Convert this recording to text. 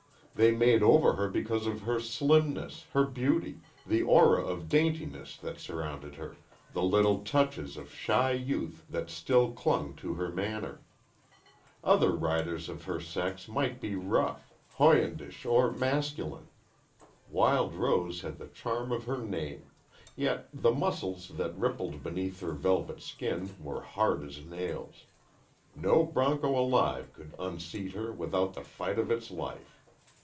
They made over her because of her slimness, her beauty, the aura of daintiness that surrounded her, the little touches of shy youth that still clung to her manner. Other riders of her sex might be rough, hoydenish, or masculine. Wild Rose had the charm of her name. Yet the muscles that rippled beneath her velvet skin were hard as nails. No bronco alive could unseat her without the fight of its life.